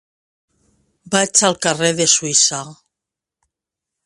Vaig al carrer de Suïssa.